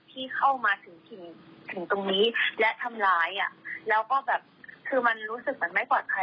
ที่เข้ามาถึงถิ่นถึงตรงนี้และทำร้ายอ่ะแล้วก็แบบคือมันรู้สึกมันไม่ปลอดภัย